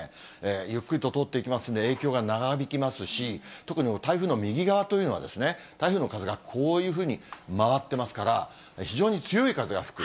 ゆっくりと通っていきますんで、影響が長引きますし、特に台風の右側というのは、台風の風がこういうふうに回っていますから、非常に強い風が吹く。